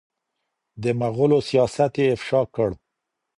د مغولو سیاست یې افشا کړ